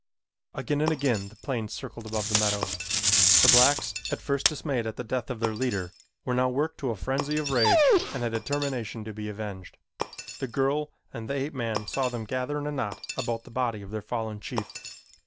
Again and again the plane circled above the meadow. The blacks, at first dismayed at the death of their leader, were now worked to a frenzy of rage and a determination to be avenged. The girl and the ape man saw them gather in a knot about the body of their fallen chief.